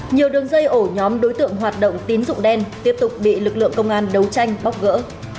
nhiều đường dây ổ nhóm đối tượng hoạt động tín dụng đen tiếp tục bị lực lượng công an đấu tranh bóc gỡ